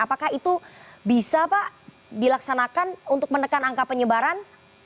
apakah itu bisa pak dilaksanakan untuk menekan angka penyebaran